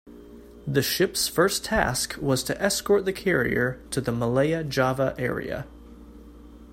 The ships' first task was to escort the carrier to the Malaya-Java area.